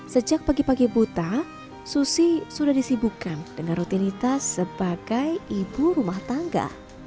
sejak pagi pagi buta susi sudah disibukkan dengan rutinitas sebagai ibu rumah tangga